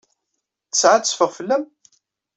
Ttesɛa ad teffeɣ fell-am?